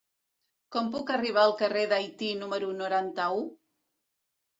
Com puc arribar al carrer d'Haití número noranta-u?